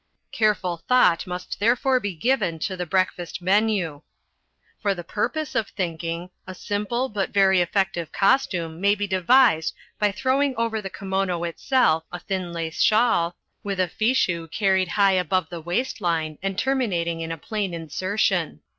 Careful thought must therefore be given to the breakfast menu. For the purpose of thinking, a simple but very effective costume may be devised by throwing over the kimono itself a thin lace shawl, with a fichu carried high above the waistline and terminating in a plain insertion.